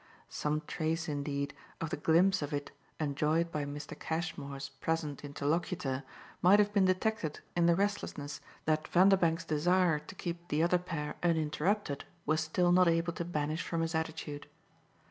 Some trace indeed of the glimpse of it enjoyed by Mr. Cashmere's present interlocutor might have been detected in the restlessness that Vanderbank's desire to keep the other pair uninterrupted was still not able to banish from his attitude.